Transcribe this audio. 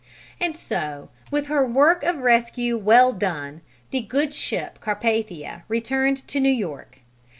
And so, with her work of rescue well done, the good ship Carpathia returned to New York.